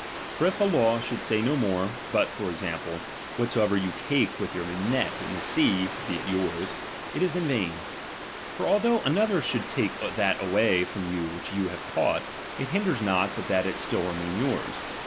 For if the law should say no more, but (for example) ivkatsoever you take with your net in the sea, he it yonrs, it is in vain. For although another should take that away from you which you have caught, it hinders not but that it still remains yours.